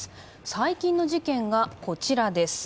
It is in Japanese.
最近の事件がこちらです